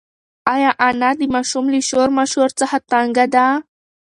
ایا انا د ماشوم له شور ماشور څخه تنگه ده؟